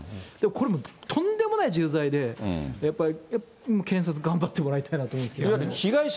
これ、とんでもない重罪で、やっぱり、検察、頑張ってもらいたいなと思いますけど。